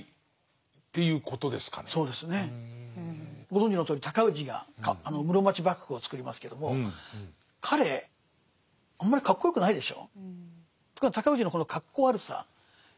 ご存じのとおり尊氏が室町幕府をつくりますけども彼あんまりかっこよくないでしょう。